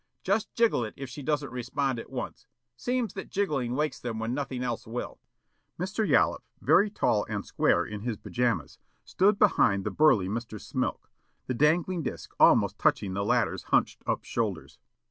Just jiggle it if she doesn't respond at once. Seems that jiggling wakes them when nothing else will." Mr. Yollop, very tall and spare in his pajamas, stood behind the burly Mr. Smilk, the dangling disc almost touching the latter's hunched up shoulders.